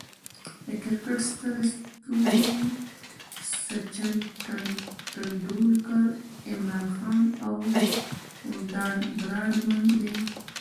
د کرکټ ستر ستوري سچن ټندولکر، عمران خان، او ډان براډمن دي.